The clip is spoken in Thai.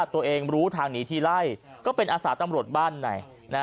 ตัวเองรู้ทางหนีทีไล่ก็เป็นอาสาตำรวจบ้านไหน